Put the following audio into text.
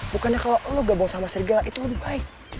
bukannya kalau lo gabung sama serigala itu lebih baik